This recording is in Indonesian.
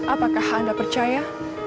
apakah anda percaya